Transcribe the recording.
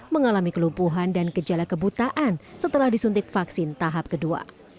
mengalami kelumpuhan dan gejala kebutaan setelah disuntik vaksin tahap kedua